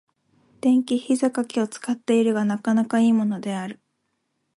電気ひざかけを使っているが、なかなか良いものである。